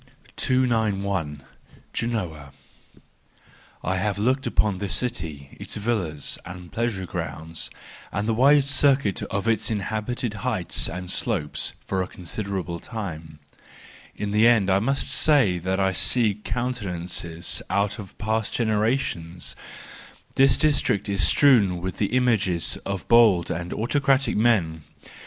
291. Genoa .—I have looked upon this city, its villas and pleasure grounds, and the wide circuit of its inhabited heights and slopes, for a considerable time : in the end I must say that I see countenances out of past generations,—this district is strewn with the images of bold and autocratic men.